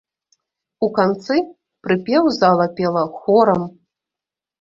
У канцы прыпеў зала пела хорам.